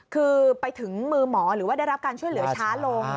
คือไปถึงมือหมอหรือว่าได้รับการช่วยเหลือช้าลง